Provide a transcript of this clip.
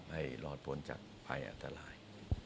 ให้รอดพ้นจากภัยอันตราย